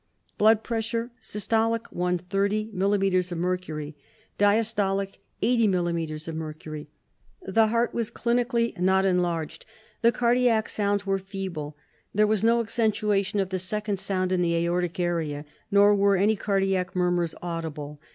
Blood pressure: systolic 130 mm. of mercury, diastolic 80 mm. of mercury. Heart: The heart was clinically not enlarged. The cardiac sounds were feeble, there was no accentuation of the second sound in the aortic area, nor were any cardiac murmurs audible.